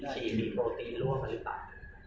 ฉีดมีโปรตีนร่วมหรือเปล่า